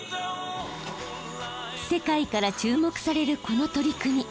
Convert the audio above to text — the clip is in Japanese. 世界から注目されるこの取り組み。